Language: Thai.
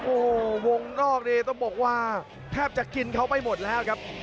โอ้โหวงนอกนี้ต้องบอกว่าแทบจะกินเขาไปหมดแล้วครับ